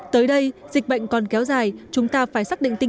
tới đây dịch bệnh còn kéo dài